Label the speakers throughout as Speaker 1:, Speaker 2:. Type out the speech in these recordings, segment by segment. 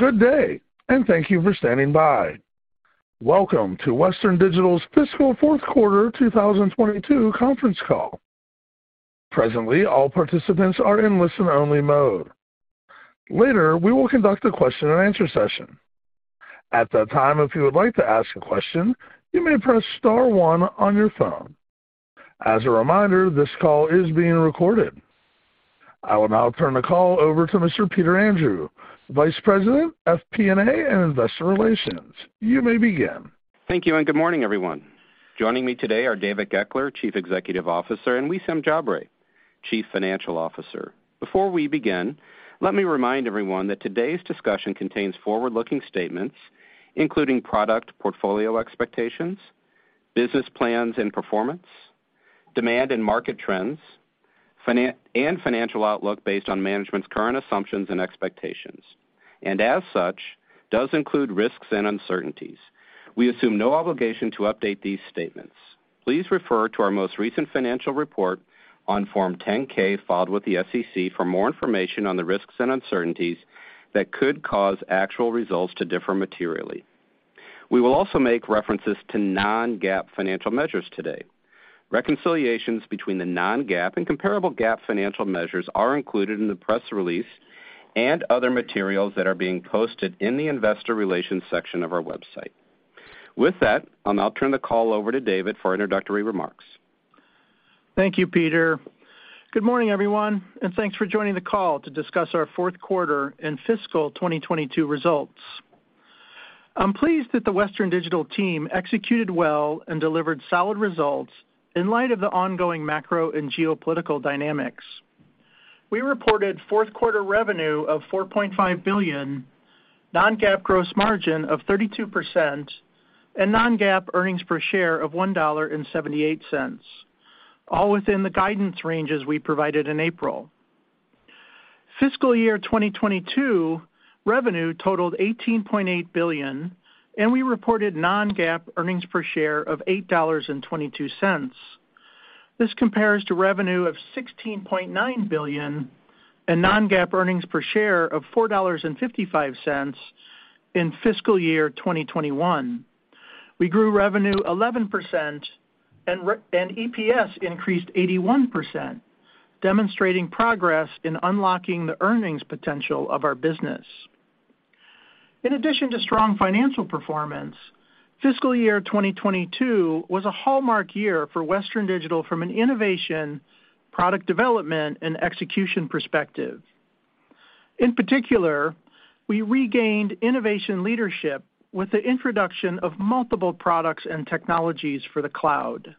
Speaker 1: Good day and thank you for standing by. Welcome to Western Digital's fiscal Q4 2022 conference call. Presently, all participants are in listen-only mode. Later, we will conduct a question-and-answer session. At that time, if you would like to ask a question, you may press star one on your phone. As a reminder, this call is being recorded. I will now turn the call over to Mr. Peter Andrew, Vice President, FP&A, and Investor Relations. You may begin.
Speaker 2: Thank you, and good morning, everyone. Joining me today are David Goeckeler, Chief Executive Officer, and Wissam Jabre, Chief Financial Officer. Before we begin, let me remind everyone that today's discussion contains forward-looking statements, including product portfolio expectations, business plans and performance, demand and market trends, and financial outlook based on management's current assumptions and expectations, and as such, does include risks and uncertainties. We assume no obligation to update these statements. Please refer to our most recent financial report on Form 10-K filed with the SEC for more information on the risks and uncertainties that could cause actual results to differ materially. We will also make references to non-GAAP financial measures today. Reconciliations between the non-GAAP and comparable GAAP financial measures are included in the press release and other materials that are being posted in the investor relations section of our website. With that, I'll now turn the call over to David for introductory remarks.
Speaker 3: Thank you, Peter. Good morning, everyone, and thanks for joining the call to discuss our Q4 and fiscal 2022 results. I'm pleased that the Western Digital team executed well and delivered solid results in light of the ongoing macro and geopolitical dynamics. We reported Q4 revenue of $4.5 billion, non-GAAP gross margin of 32%, and non-GAAP earnings per share of $1.78, all within the guidance ranges we provided in April. Fiscal year 2022, revenue totaled $18.8 billion, and we reported non-GAAP earnings per share of $8.22. This compares to revenue of $16.9 billion and non-GAAP earnings per share of $4.55 in fiscal year 2021. We grew revenue 11% and EPS increased 81%, demonstrating progress in unlocking the earnings potential of our business. In addition to strong financial performance, fiscal year 2022 was a hallmark year for Western Digital from an innovation, product development, and execution perspective. In particular, we regained innovation leadership with the introduction of multiple products and technologies for the cloud.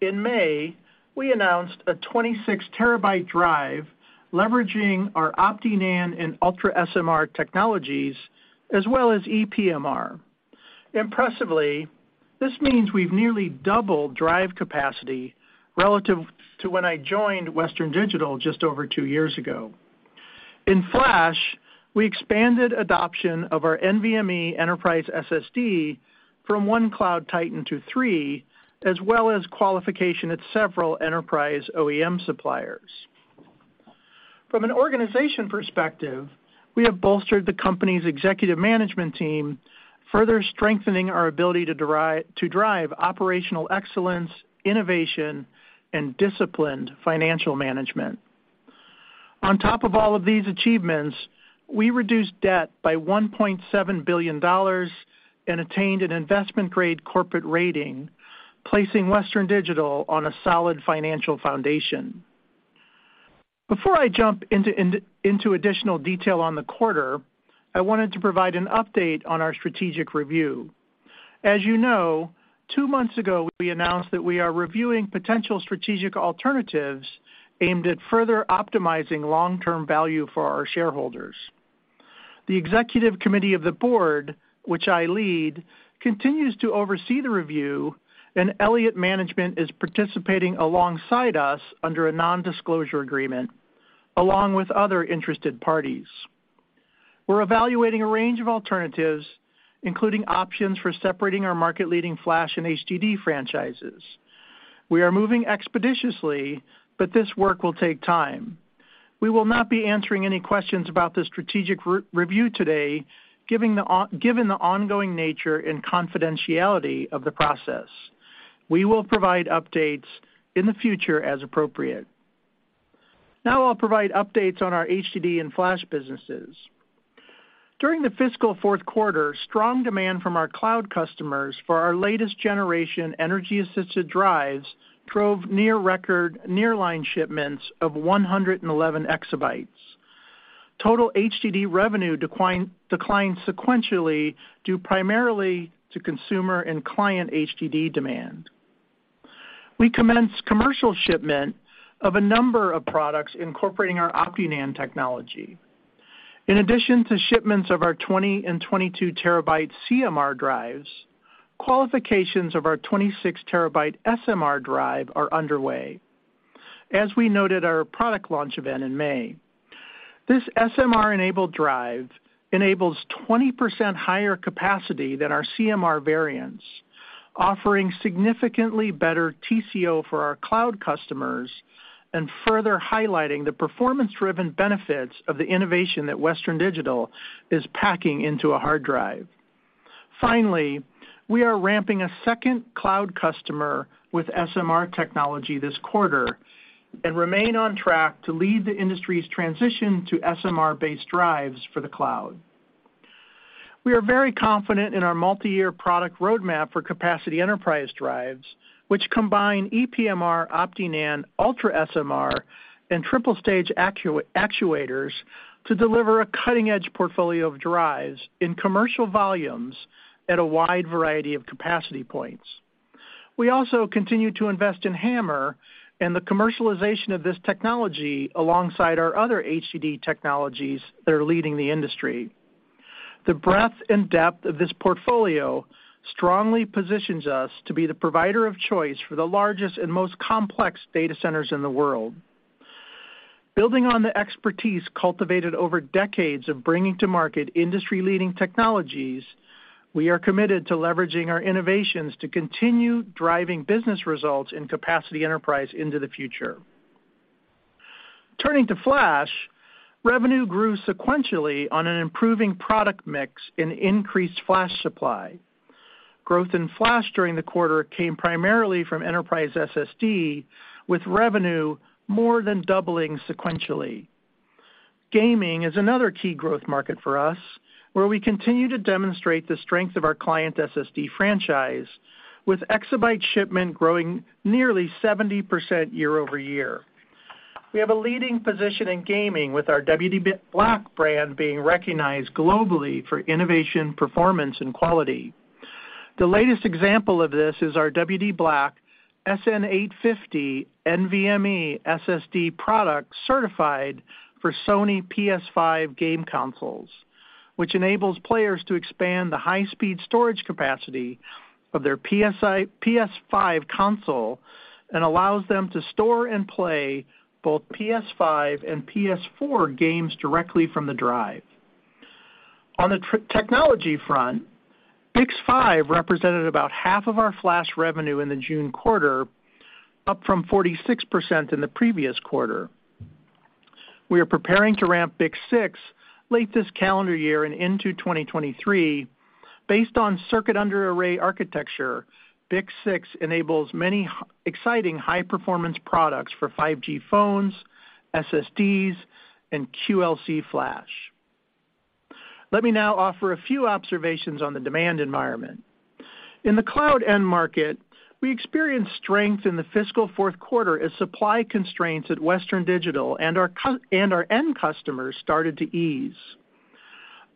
Speaker 3: In May, we announced a 26TB drive leveraging our OptiNAND and UltraSMR technologies as well as ePMR. Impressively, this means we've nearly doubled drive capacity relative to when I joined Western Digital just over two years ago. In Flash, we expanded adoption of our NVMe enterprise SSD from one cloud titan to three, as well as qualification at several enterprise OEM suppliers. From an organization perspective, we have bolstered the company's executive management team, further strengthening our ability to drive operational excellence, innovation, and disciplined financial management. On top of all of these achievements, we reduced debt by $1.7 billion and attained an investment-grade corporate rating, placing Western Digital on a solid financial foundation. Before I jump into additional detail on the quarter, I wanted to provide an update on our strategic review. As you know, two months ago, we announced that we are reviewing potential strategic alternatives aimed at further optimizing long-term value for our shareholders. The executive committee of the board, which I lead, continues to oversee the review, and Elliott Management is participating alongside us under a non-disclosure agreement, along with other interested parties. We're evaluating a range of alternatives, including options for separating our market-leading Flash and HDD franchises. We are moving expeditiously, but this work will take time. We will not be answering any questions about the strategic review today, given the ongoing nature and confidentiality of the process. We will provide updates in the future as appropriate. Now I'll provide updates on our HDD and Flash businesses. During the fiscal Q4, strong demand from our cloud customers for our latest generation energy-assisted drives drove near record nearline shipments of 111EB. Total HDD revenue declined sequentially, due primarily to consumer and client HDD demand. We commenced commercial shipment of a number of products incorporating our OptiNAND technology. In addition to shipments of our 20TB and 22TB CMR drives, qualifications of our 26TB SMR drive are underway, as we noted our product launch event in May. This SMR-enabled drive enables 20% higher capacity than our CMR variants. Offering significantly better TCO for our cloud customers and further highlighting the performance-driven benefits of the innovation that Western Digital is packing into a hard drive. Finally, we are ramping a second cloud customer with SMR technology this quarter and remain on track to lead the industry's transition to SMR-based drives for the cloud. We are very confident in our multi-year product roadmap for capacity enterprise drives, which combine ePMR, OptiNAND, UltraSMR, and triple stage actuators to deliver a cutting-edge portfolio of drives in commercial volumes at a wide variety of capacity points. We also continue to invest in HAMR and the commercialization of this technology alongside our other HDD technologies that are leading the industry. The breadth and depth of this portfolio strongly position us to be the provider of choice for the largest and most complex data centers in the world. Building on the expertise cultivated over decades of bringing to market industry-leading technologies, we are committed to leveraging our innovations to continue driving business results in capacity enterprise into the future. Turning to Flash, revenue grew sequentially on an improving product mix and increased flash supply. Growth in Flash during the quarter came primarily from enterprise SSD, with revenue more than doubling sequentially. Gaming is another key growth market for us, where we continue to demonstrate the strength of our client SSD franchise, with exabyte shipment growing nearly 70% year-over-year. We have a leading position in gaming with our WD_BLACK brand being recognized globally for innovation, performance, and quality. The latest example of this is our WD_BLACK SN850 NVMe SSD product, certified for Sony PS5 game consoles, which enables players to expand the high-speed storage capacity of their PS5 console and allows them to store and play both PS5 and PS4 games directly from the drive. On the technology front, BiCS5 represented about half of our Flash revenue in the June quarter, up from 46% in the previous quarter. We are preparing to ramp BiCS6 late this calendar year and into 2023. Based on Circuit Under Array architecture, BiCS6 enables many exciting high-performance products for 5G phones, SSDs, and QLC Flash. Let me now offer a few observations on the demand environment. In the cloud end market, we experienced strength in the fiscal Q4 as supply constraints at Western Digital and our end customers started to ease.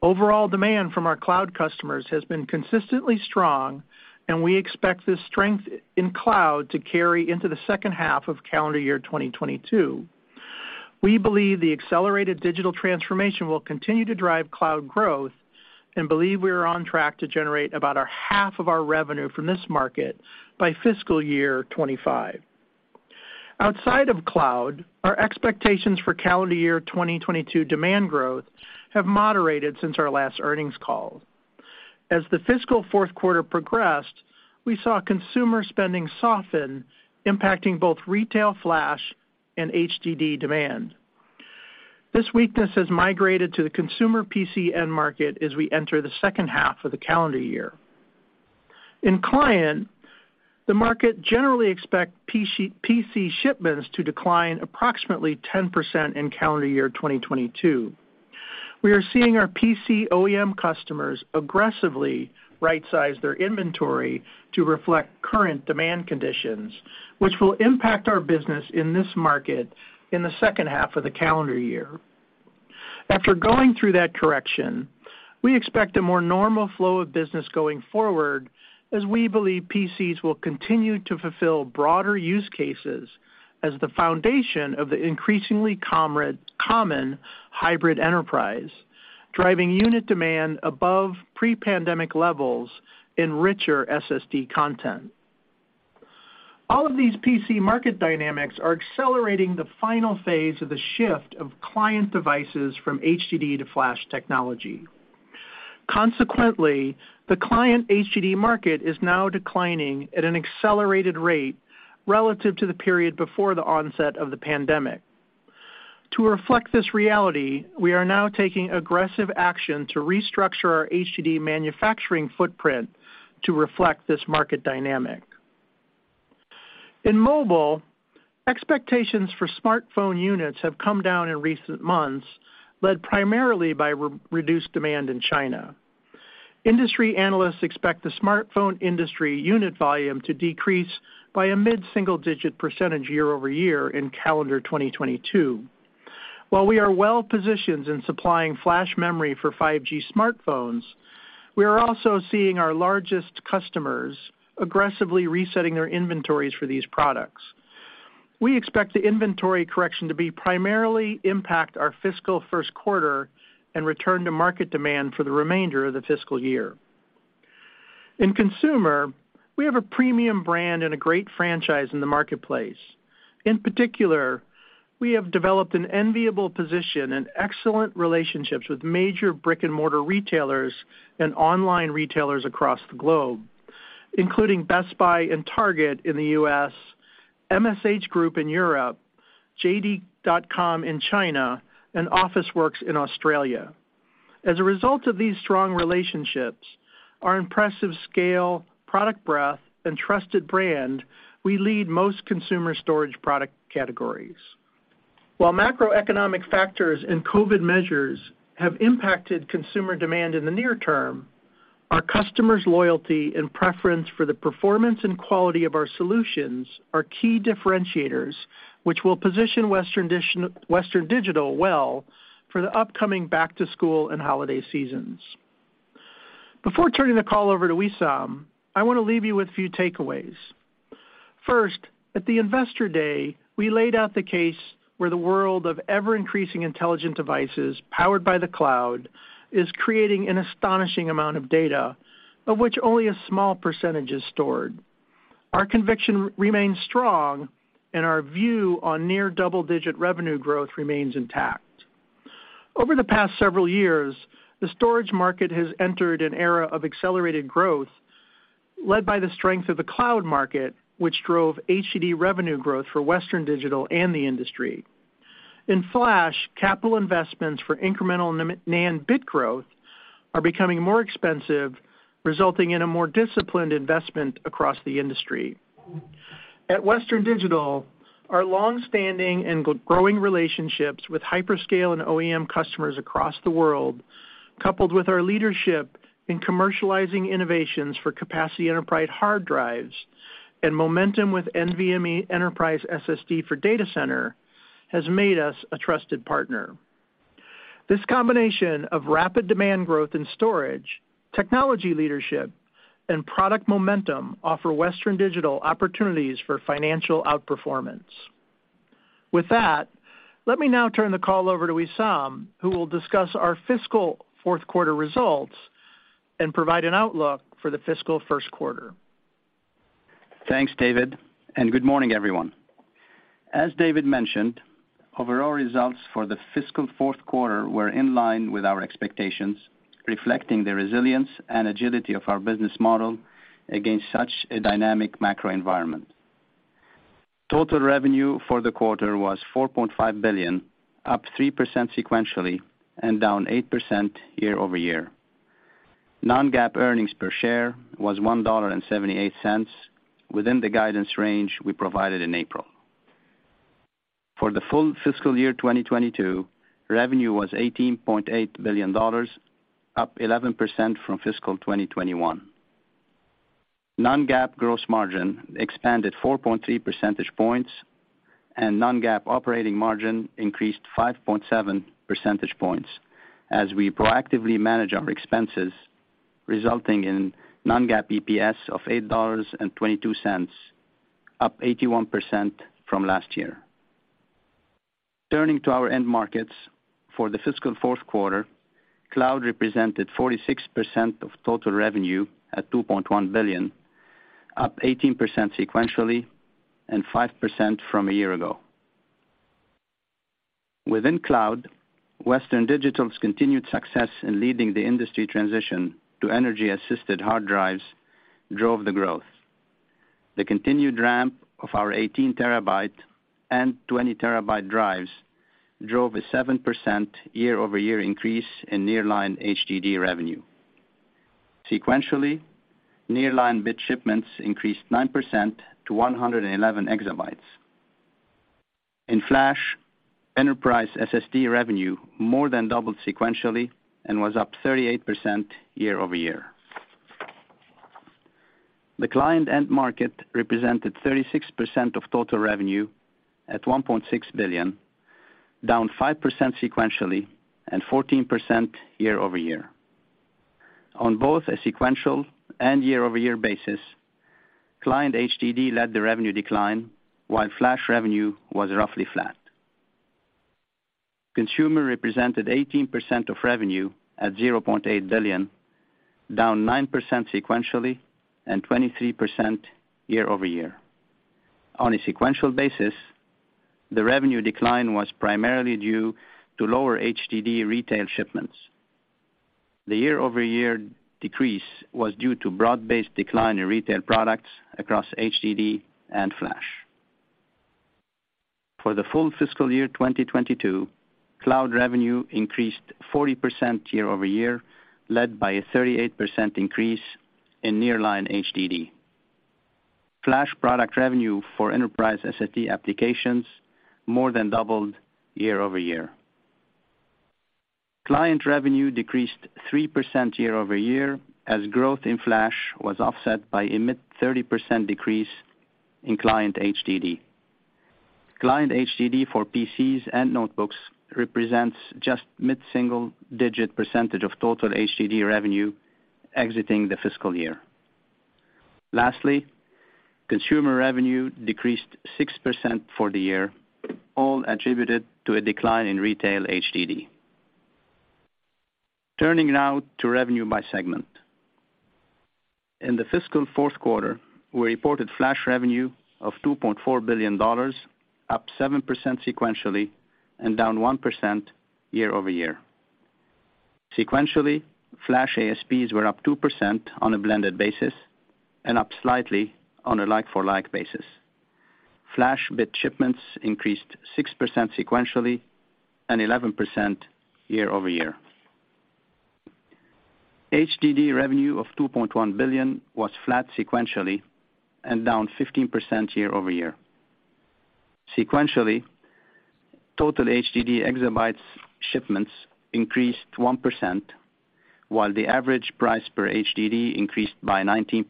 Speaker 3: Overall demand from our cloud customers has been consistently strong, and we expect this strength in cloud to carry into the H2 of calendar year 2022. We believe the accelerated digital transformation will continue to drive cloud growth and believe we are on track to generate about a half of our revenue from this market by fiscal year 2025. Outside of cloud, our expectations for calendar year 2022 demand growth have moderated since our last earnings call. As the fiscal Q4 progressed, we saw consumer spending soften, impacting both retail Flash and HDD demand. This weakness has migrated to the consumer PC end market as we enter the H2 of the calendar year. In client, the market generally expects PC shipments to decline approximately 10% in calendar year 2022. We are seeing our PC OEM customers aggressively right-size their inventory to reflect current demand conditions, which will impact our business in this market in the H2 of the calendar year. After going through that correction, we expect a more normal flow of business going forward as we believe PCs will continue to fulfill broader use cases as the foundation of the increasingly common hybrid enterprise, driving unit demand above pre-pandemic levels in richer SSD content. All of these PC market dynamics are accelerating the final phase of the shift of client devices from HDD to Flash technology. Consequently, the client HDD market is now declining at an accelerated rate relative to the period before the onset of the pandemic. To reflect this reality, we are now taking aggressive action to restructure our HDD manufacturing footprint to reflect this market dynamic. In mobile, expectations for smartphone units have come down in recent months, led primarily by reduced demand in China. Industry analysts expect the smartphone industry unit volume to decrease by a mid-single-digit percentage year-over-year in calendar 2022. While we are well-positioned in supplying flash memory for 5G smartphones, we are also seeing our largest customers aggressively resetting their inventories for these products. We expect the inventory correction to be primarily to impact our fiscal Q1 and return to market demand for the remainder of the fiscal year. In consumer, we have a premium brand and a great franchise in the marketplace. In particular, we have developed an enviable position and excellent relationships with major brick-and-mortar retailers and online retailers across the globe, including Best Buy and Target in the U.S., MediaMarktSaturn in Europe, JD.com in China, and Officeworks in Australia. As a result of these strong relationships, our impressive scale, product breadth, and trusted brand, we lead most consumer storage product categories. While macroeconomic factors and COVID measures have impacted consumer demand in the near term, our customers' loyalty and preference for the performance and quality of our solutions are key differentiators, which will position Western Digital well for the upcoming back-to-school and holiday seasons. Before turning the call over to Wissam, I wanna leave you with a few takeaways. First, at the Investor Day, we laid out the case where the world of ever-increasing intelligent devices powered by the cloud is creating an astonishing amount of data, of which only a small percentage is stored. Our conviction remains strong, and our view on near double-digit revenue growth remains intact. Over the past several years, the storage market has entered an era of accelerated growth, led by the strength of the cloud market, which drove HDD revenue growth for Western Digital and the industry. In Flash, capital investments for incremental NAND bit growth are becoming more expensive, resulting in a more disciplined investment across the industry. At Western Digital, our longstanding and growing relationships with hyperscale and OEM customers across the world, coupled with our leadership in commercializing innovations for capacity enterprise hard drives and momentum with NVMe enterprise SSD for data center, has made us a trusted partner. This combination of rapid demand growth in storage, technology leadership, and product momentum offer Western Digital opportunities for financial outperformance. With that, let me now turn the call over to Wissam, who will discuss our fiscal Q4 results and provide an outlook for the fiscal Q1.
Speaker 4: Thanks, David, and good morning, everyone. As David mentioned, overall results for the fiscal Q4 were in line with our expectations, reflecting the resilience and agility of our business model against such a dynamic macroenvironment. Total revenue for the quarter was $4.5 billion, up 3% sequentially and down 8% year-over-year. Non-GAAP earnings per share was $1.78, within the guidance range we provided in April. For the full fiscal year 2022, revenue was $18.8 billion, up 11% from fiscal 2021. Non-GAAP gross margin expanded 4.3 percentage points, and non-GAAP operating margin increased 5.7 percentage points as we proactively manage our expenses, resulting in non-GAAP EPS of $8.22, up 81% from last year. Turning to our end markets, for the fiscal Q4, cloud represented 46% of total revenue at $2.1 billion, up 18% sequentially and 5% from a year ago. Within cloud, Western Digital's continued success in leading the industry transition to energy-assisted hard drives drove the growth. The continued ramp of our 18TB and 20TB drives drove a 7% year-over-year increase in nearline HDD revenue. Sequentially, nearline bit shipments increased 9% to 111EB. In Flash, enterprise SSD revenue more than doubled sequentially and was up 38% year-over-year. The client end market represented 36% of total revenue at $1.6 billion, down 5% sequentially and 14% year-over-year. On both a sequential and year-over-year basis, client HDD led the revenue decline, while Flash revenue was roughly flat. Consumer represented 18% of revenue at $0.8 billion, down 9% sequentially and 23% year-over-year. On a sequential basis, the revenue decline was primarily due to lower HDD retail shipments. The year-over-year decrease was due to broad-based decline in retail products across HDD and Flash. For the full fiscal year 2022, cloud revenue increased 40% year-over-year, led by a 38% increase in nearline HDD. Flash product revenue for enterprise SSD applications more than doubled year-over-year. Client revenue decreased 3% year-over-year, as growth in Flash was offset by a mid-30% decrease in client HDD. Client HDD for PCs and notebooks represents just mid-single-digit percentage of total HDD revenue exiting the fiscal year. Lastly, consumer revenue decreased 6% for the year, all attributed to a decline in retail HDD. Turning now to revenue by segment. In the fiscal Q4, we reported Flash revenue of $2.4 billion, up 7% sequentially and down 1% year-over-year. Sequentially, Flash ASPs were up 2% on a blended basis and up slightly on a like-for-like basis. Flash bit shipments increased 6% sequentially and 11% year-over-year. HDD revenue of $2.1 billion was flat sequentially and down 15% year-over-year. Sequentially, total HDD exabytes shipments increased 1%, while the average price per HDD increased by 19%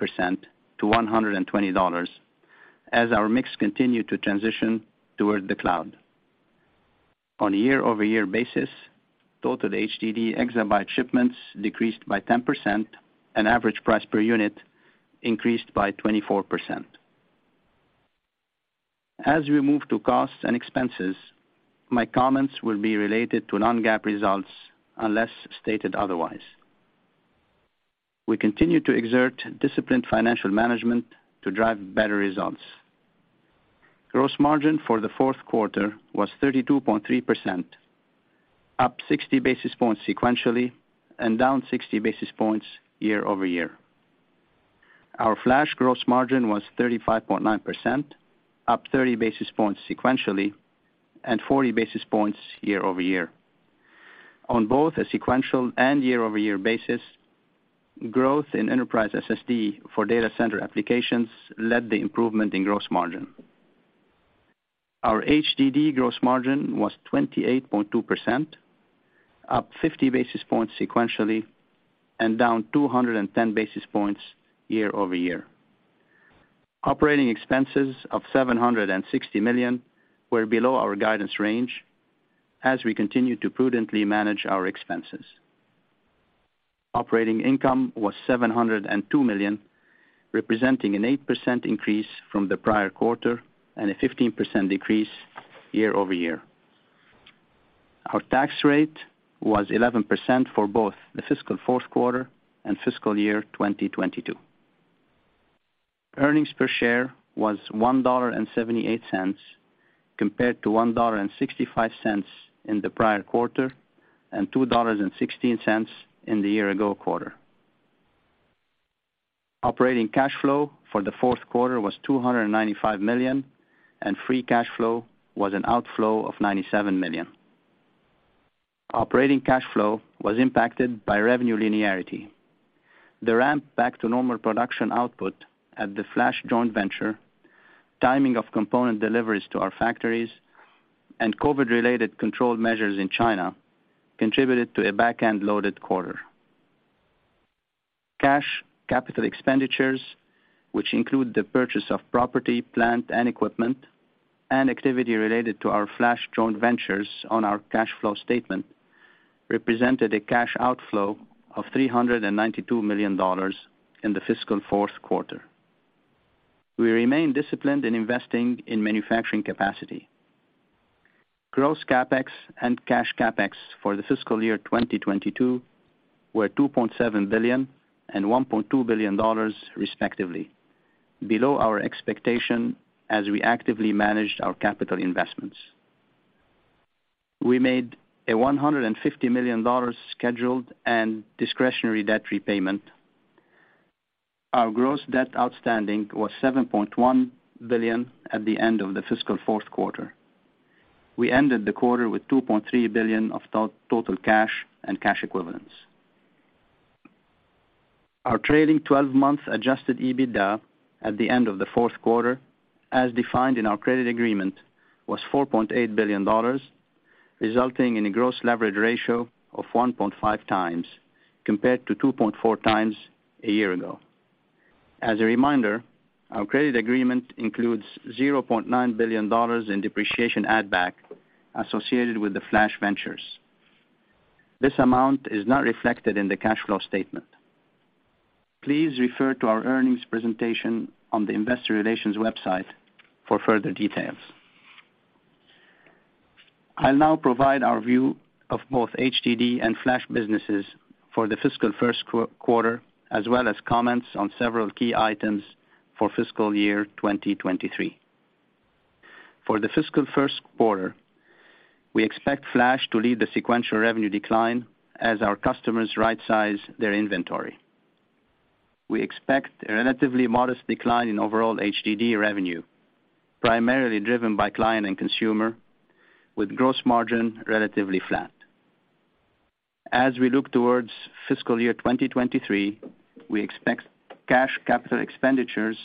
Speaker 4: to $120 as our mix continued to transition toward the cloud. On a year-over-year basis, total HDD exabyte shipments decreased by 10% and average price per unit increased by 24%. As we move to costs and expenses, my comments will be related to non-GAAP results unless stated otherwise. We continue to exert disciplined financial management to drive better results. Gross margin for the Q4 was 32.3%, up 60 basis points sequentially and down 60 basis points year-over-year. Our Flash gross margin was 35.9%, up 30 basis points sequentially and 40 basis points year-over-year. On both a sequential and year-over-year basis, growth in enterprise SSD for data center applications led the improvement in gross margin. Our HDD gross margin was 28.2%, up 50 basis points sequentially and down 210 basis points year-over-year. Operating expenses of $760 million were below our guidance range as we continue to prudently manage our expenses. Operating income was $702 million, representing an 8% increase from the prior quarter and a 15% decrease year-over-year. Our tax rate was 11% for both the fiscal Q4 and fiscal year 2022. Earnings per share was $1.78 compared to $1.65 in the prior quarter and $2.16 in the year ago quarter. Operating cash flow for the Q4 was $295 million, and free cash flow was an outflow of $97 million. Operating cash flow was impacted by revenue linearity. The ramp back to normal production output at the Flash joint venture, timing of component deliveries to our factories, and COVID-related control measures in China contributed to a back end loaded quarter. Cash capital expenditures, which include the purchase of property, plant, and equipment and activity related to our Flash joint ventures on our cash flow statement, represented a cash outflow of $392 million in the fiscal Q4. We remain disciplined in investing in manufacturing capacity. Gross CapEx and cash CapEx for the fiscal year 2022 were $2.7 billion and $1.2 billion, respectively, below our expectation as we actively managed our capital investments. We made a $150 million scheduled and discretionary debt repayment. Our gross debt outstanding was $7.1 billion at the end of the fiscal Q4. We ended the quarter with $2.3 billion of total cash and cash equivalents. Our trailing 12-month adjusted EBITDA at the end of the Q4, as defined in our credit agreement, was $4.8 billion, resulting in a gross leverage ratio of 1.5x compared to 2.4x a year ago. As a reminder, our credit agreement includes $0.9 billion in depreciation add back associated with the Flash ventures. This amount is not reflected in the cash flow statement. Please refer to our earnings presentation on the investor relations website for further details. I'll now provide our view of both HDD and Flash businesses for the fiscal Q1, as well as comments on several key items for fiscal year 2023. For the fiscal Q1, we expect Flash to lead the sequential revenue decline as our customers rightsized their inventory. We expect a relatively modest decline in overall HDD revenue, primarily driven by client and consumer, with gross margin relatively flat. As we look towards fiscal year 2023, we expect cash capital expenditures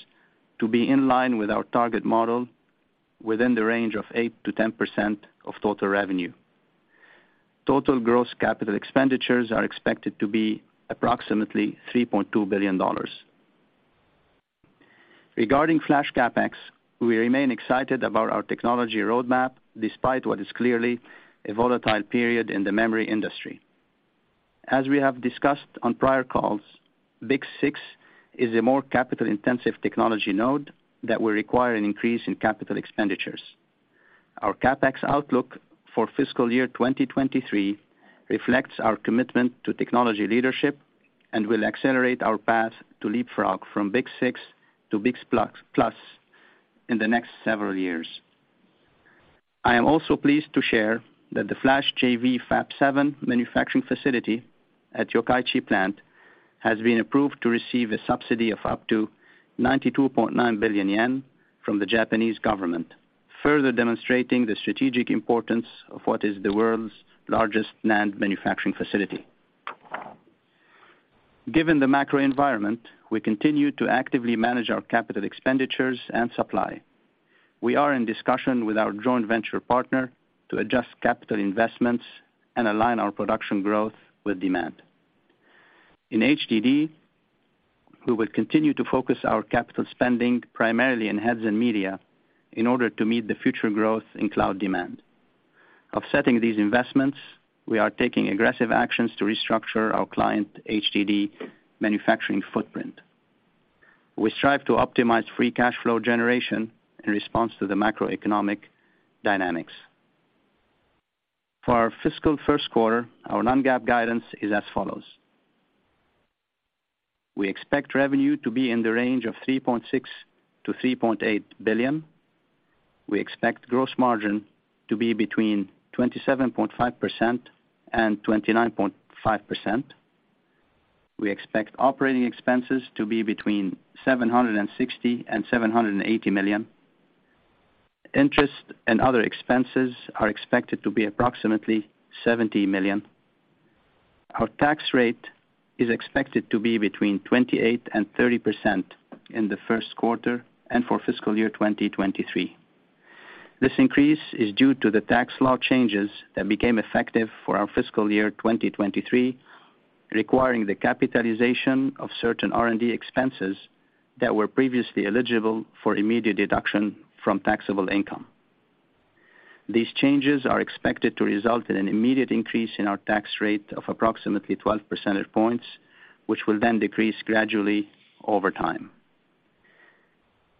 Speaker 4: to be in line with our target model within the range of 8%-10% of total revenue. Total gross capital expenditures are expected to be approximately $3.2 billion. Regarding Flash CapEx, we remain excited about our technology roadmap despite what is clearly a volatile period in the memory industry. As we have discussed on prior calls, BiCS6 is a more capital-intensive technology node that will require an increase in capital expenditures. Our CapEx outlook for fiscal year 2023 reflects our commitment to technology leadership and will accelerate our path to leapfrog from BiCS6 to BiCS8 in the next several years. I am also pleased to share that the Flash JV Fab7 manufacturing facility at Yokkaichi Plant has been approved to receive a subsidy of up to 92.9 billion yen from the Japanese government, further demonstrating the strategic importance of what is the world's largest NAND manufacturing facility. Given the macro environment, we continue to actively manage our capital expenditures and supply. We are in discussion with our joint venture partner to adjust capital investments and align our production growth with demand. In HDD, we will continue to focus our capital spending primarily in heads and media in order to meet the future growth in cloud demand. Offsetting these investments, we are taking aggressive actions to restructure our client HDD manufacturing footprint. We strive to optimize free cash flow generation in response to the macroeconomic dynamics. For our fiscal Q1, our non-GAAP guidance is as follows. We expect revenue to be in the range of $3.6 billion-$3.8 billion. We expect gross margin to be between 27.5% and 29.5%. We expect operating expenses to be between $760 million and $780 million. Interest and other expenses are expected to be approximately $70 million. Our tax rate is expected to be between 28% and 30% in the Q1 and for fiscal year 2023. This increase is due to the tax law changes that became effective for our fiscal year 2023, requiring the capitalization of certain R&D expenses that were previously eligible for immediate deduction from taxable income. These changes are expected to result in an immediate increase in our tax rate of approximately 12 percentage points, which will then decrease gradually over time.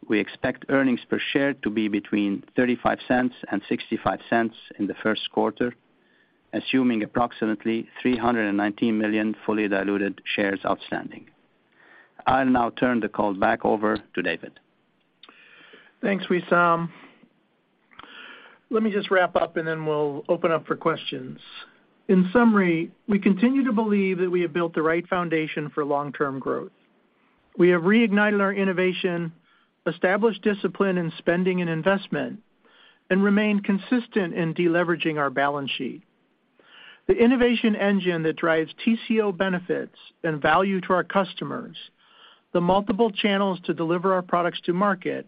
Speaker 4: We expect earnings per share to be between $0.35 and $0.65 in the Q1, assuming approximately 319 million fully diluted shares outstanding. I'll now turn the call back over to David.
Speaker 3: Thanks, Wissam. Let me just wrap up and then we'll open up for questions. In summary, we continue to believe that we have built the right foundation for long-term growth. We have reignited our innovation, established discipline in spending and investment, and remained consistent in deleveraging our balance sheet. The innovation engine that drives TCO benefits and value to our customers, the multiple channels to deliver our products to market,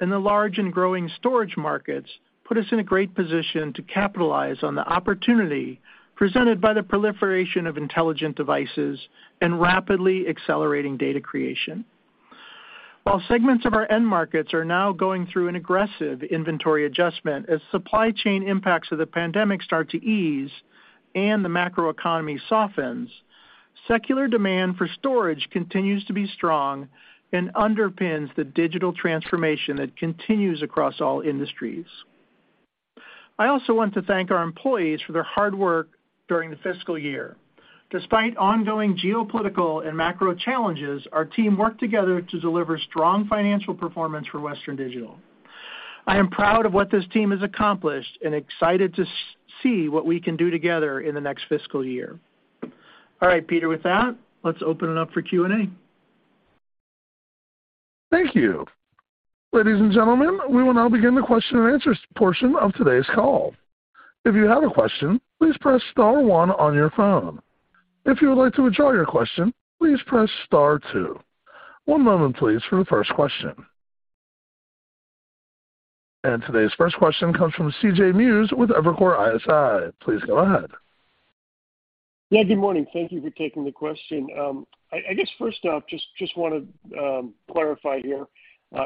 Speaker 3: and the large and growing storage markets put us in a great position to capitalize on the opportunity presented by the proliferation of intelligent devices and rapidly accelerating data creation. While segments of our end markets are now going through an aggressive inventory adjustment as supply chain impacts of the pandemic start to ease and the macroeconomy softens, secular demand for storage continues to be strong and underpins the digital transformation that continues across all industries. I also want to thank our employees for their hard work during the fiscal year. Despite ongoing geopolitical and macro challenges, our team worked together to deliver strong financial performance for Western Digital. I am proud of what this team has accomplished and excited to see what we can do together in the next fiscal year. All right, Peter, with that, let's open it up for Q&A.
Speaker 1: Thank you. Ladies and gentlemen, we will now begin the question-and-answer portion of today's call. If you have a question, please press star one on your phone. If you would like to withdraw your question, please press star two. One moment please for the first question. Today's first question comes from CJ Muse with Evercore ISI. Please go ahead.
Speaker 5: Yeah, good morning. Thank you for taking the question. I guess first off, just want to clarify here.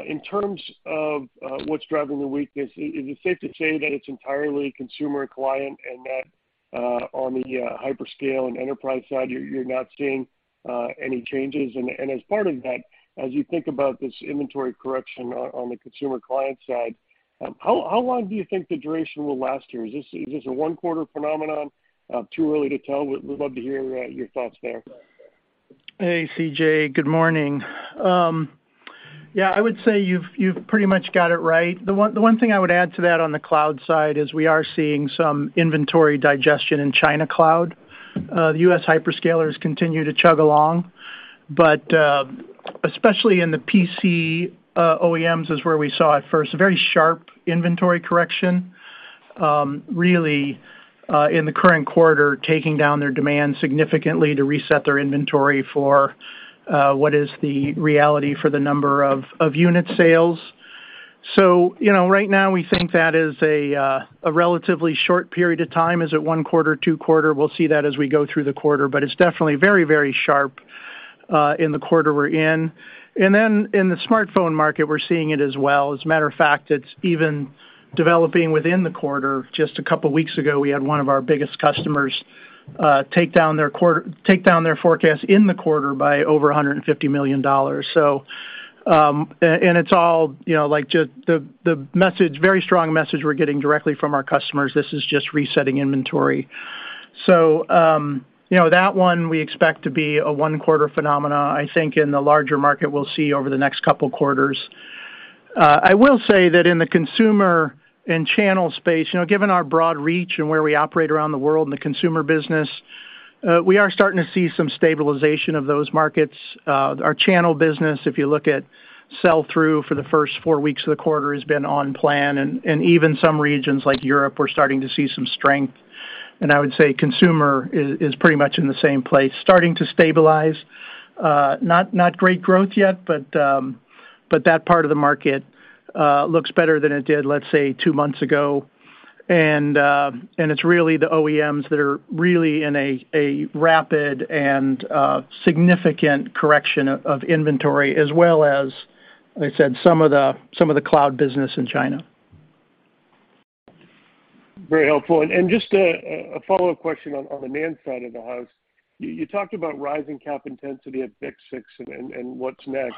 Speaker 5: In terms of what's driving the weakness, is it safe to say that it's entirely consumer and client and that on the hyperscale and enterprise side, you're not seeing any changes? As part of that, as you think about this inventory correction on the consumer client side, how long do you think the duration will last here? Is this a one-quarter phenomenon? Too early to tell? We'd love to hear your thoughts there.
Speaker 3: Hey, CJ. Good morning. Yeah, I would say you've pretty much got it right. The one thing I would add to that on the cloud side is we are seeing some inventory digestion in China cloud. The U.S. hyperscalers continue to chug along, but especially in the PC OEMs is where we saw at first a very sharp inventory correction, really in the current quarter, taking down their demand significantly to reset their inventory for what is the reality for the number of unit sales. You know, right now we think that is a relatively short period of time. Is it one quarter, two quarter? We'll see that as we go through the quarter. But it's definitely very sharp in the quarter we're in. In the smartphone market, we're seeing it as well. As a matter of fact, it's even developing within the quarter. Just a couple weeks ago, we had one of our biggest customers take down their forecast in the quarter by over $150 million. And it's all, you know, like, just the message, very strong message we're getting directly from our customers. This is just resetting inventory. You know, that one we expect to be a one-quarter phenomenon. I think in the larger market, we'll see over the next couple quarters. I will say that in the consumer and channel space, you know, given our broad reach and where we operate around the world in the consumer business, we are starting to see some stabilization of those markets. Our channel business, if you look at sell-through for the first four weeks of the quarter, has been on plan. Even some regions like Europe, we're starting to see some strength. I would say consumer is pretty much in the same place, starting to stabilize. Not great growth yet, but that part of the market looks better than it did, let's say, two months ago. It's really the OEMs that are really in a rapid and significant correction of inventory, as well as I said, some of the cloud business in China.
Speaker 5: Very helpful. Just a follow-up question on the NAND side of the house. You talked about rising CapEx intensity at BiCS6 and what's next.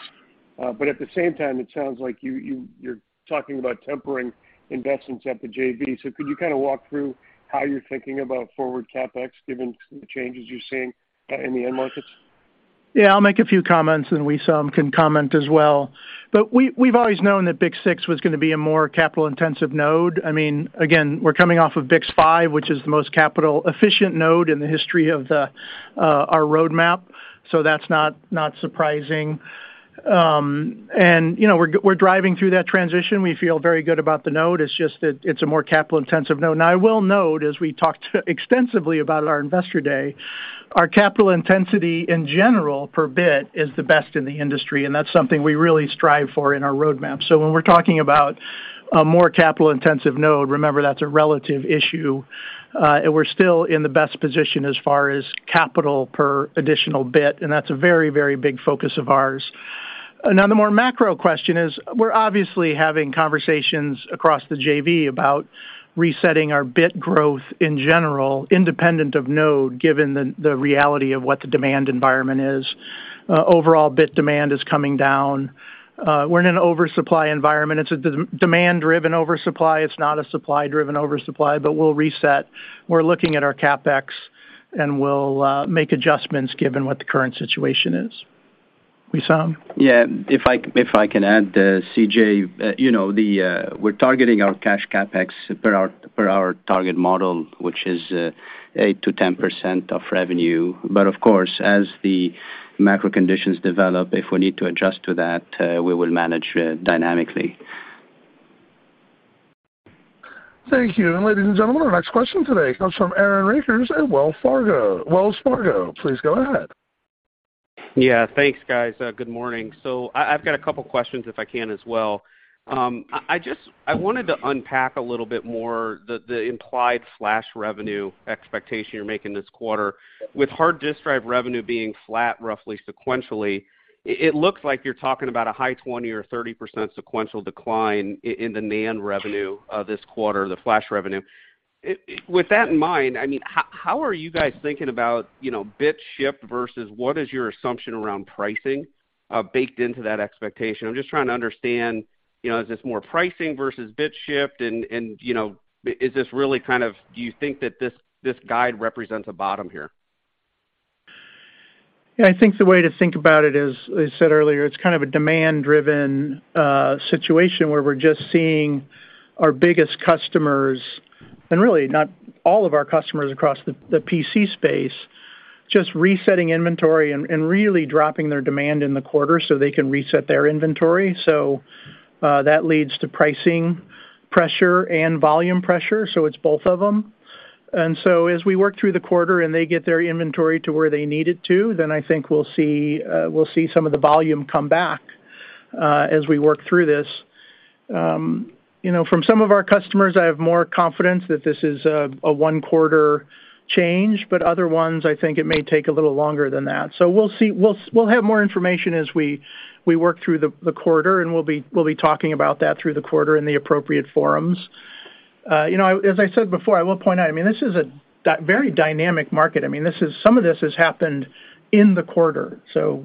Speaker 5: At the same time, it sounds like you're talking about tempering investments at the JV. Could you kind of walk through how you're thinking about forward CapEx, given the changes you're seeing in the end markets?
Speaker 3: Yeah, I'll make a few comments, and Wissam can comment as well. We've always known that BiCS6 was going to be a more capital-intensive node. I mean, again, we're coming off of BiCS5, which is the most capital-efficient node in the history of our roadmap, so that's not surprising. You know, we're driving through that transition. We feel very good about the node. It's just that it's a more capital-intensive node. Now, I will note, as we talked extensively about at our Investor Day, our capital intensity in general per bit is the best in the industry, and that's something we really strive for in our roadmap. When we're talking about a more capital-intensive node, remember that's a relative issue, and we're still in the best position as far as capital per additional bit, and that's a very, very big focus of ours. Now, the more macro question is, we're obviously having conversations across the JV about resetting our bit growth in general, independent of node, given the reality of what the demand environment is. Overall bit demand is coming down. We're in an oversupply environment. It's a demand-driven oversupply. It's not a supply-driven oversupply, but we'll reset. We're looking at our CapEx, and we'll make adjustments given what the current situation is. Wissam?
Speaker 4: Yeah. If I can add, CJ, you know, we're targeting our cash CapEx per our target model, which is 8%-10% of revenue. Of course, as the macro conditions develop, if we need to adjust to that, we will manage dynamically.
Speaker 1: Thank you. Ladies and gentlemen, our next question today comes from Aaron Rakers at Wells Fargo. Please go ahead.
Speaker 6: Yeah. Thanks, guys. Good morning. I've got a couple questions, if I can as well. I just wanted to unpack a little bit more the implied Flash revenue expectation you're making this quarter. With hard disk drive revenue being flat roughly sequentially, it looks like you're talking about a high 20% or 30% sequential decline in the NAND revenue this quarter, the Flash revenue. With that in mind, I mean, how are you guys thinking about, you know, bit shipped versus what is your assumption around pricing baked into that expectation? I'm just trying to understand, you know, is this more pricing versus bit shipped and, you know, is this really kind of do you think that this guide represents a bottom here?
Speaker 3: Yeah. I think the way to think about it is, as I said earlier, it's kind of a demand-driven situation where we're just seeing our biggest customers, and really not all of our customers across the PC space, just resetting inventory and really dropping their demand in the quarter so they can reset their inventory. That leads to pricing pressure and volume pressure, so it's both of them. As we work through the quarter and they get their inventory to where they need it to, then I think we'll see some of the volume come back as we work through this. You know, from some of our customers, I have more confidence that this is a one-quarter change, but other ones, I think it may take a little longer than that. We'll see. We'll have more information as we work through the quarter, and we'll be talking about that through the quarter in the appropriate forums. You know, as I said before, I will point out, I mean, this is a very dynamic market. Some of this has happened in the quarter, so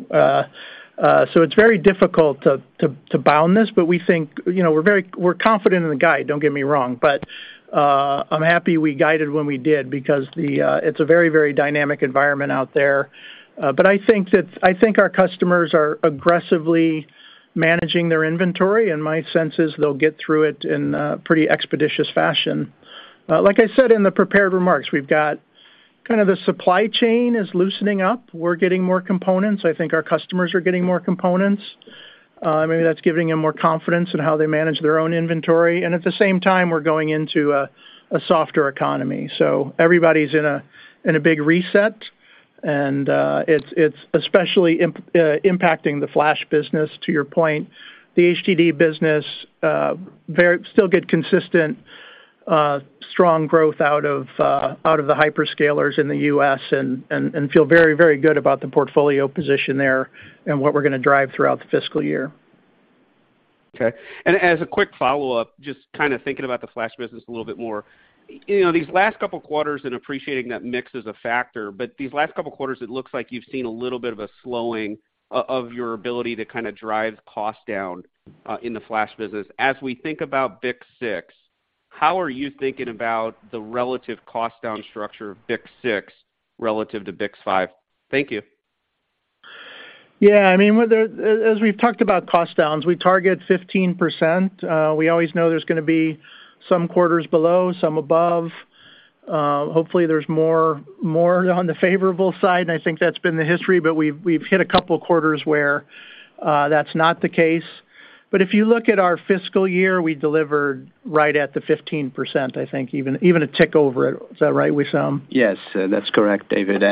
Speaker 3: it's very difficult to bound this. We think, you know, we're confident in the guide, don't get me wrong, but I'm happy we guided when we did because it's a very dynamic environment out there. I think our customers are aggressively managing their inventory, and my sense is they'll get through it in a pretty expeditious fashion. Like I said in the prepared remarks, we've got kind of the supply chain is loosening up. We're getting more components. I think our customers are getting more components. Maybe that's giving them more confidence in how they manage their own inventory. At the same time, we're going into a softer economy, so everybody's in a big reset. It's especially impacting the Flash business, to your point. The HDD business very stable, good, consistent strong growth out of the hyperscalers in the U.S. and feel very, very good about the portfolio position there and what we're gonna drive throughout the fiscal year.
Speaker 6: Okay. As a quick follow-up, just kind of thinking about the Flash business a little bit more, you know, these last couple quarters and appreciating that mix is a factor, but these last couple quarters it looks like you've seen a little bit of a slowing of your ability to kind of drive costs down, in the Flash business. As we think about BiCS6, how are you thinking about the relative cost down structure of BiCS6 relative to BiCS5? Thank you.
Speaker 3: Yeah. I mean, with as we've talked about cost downs, we target 15%. We always know there's going to be some quarters below, some above. Hopefully there's more on the favorable side, and I think that's been the history, but we've hit a couple quarters where that's not the case. If you look at our fiscal year, we delivered right at the 15%, I think even a tick over. Is that right, Wissam?
Speaker 4: Yes, that's correct, David.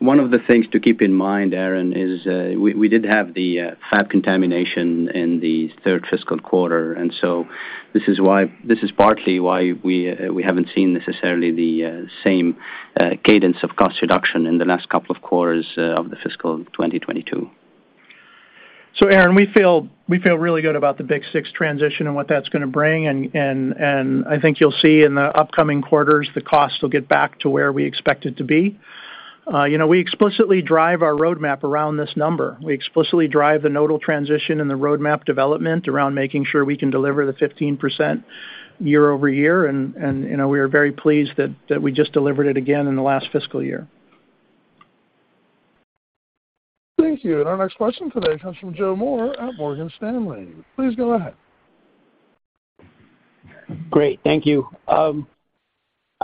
Speaker 4: One of the things to keep in mind, Aaron, is we did have the fab contamination in the third fiscal quarter, and so this is partly why we haven't seen necessarily the same cadence of cost reduction in the last couple of quarters of the fiscal 2022.
Speaker 3: Aaron, we feel really good about the BiCS6 transition and what that's gonna bring. I think you'll see in the upcoming quarters, the cost will get back to where we expect it to be. You know, we explicitly drive our roadmap around this number. We explicitly drive the nodal transition and the roadmap development around making sure we can deliver the 15% year-over-year, you know, we are very pleased that we just delivered it again in the last fiscal year.
Speaker 1: Thank you. Our next question today comes from Joe Moore at Morgan Stanley. Please go ahead.
Speaker 7: Great. Thank you. I